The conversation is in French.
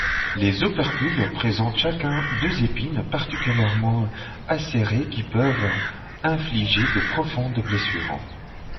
Les opercules présentent chacun deux épines particulièrement acérées qui peuvent infliger de profondes blessures.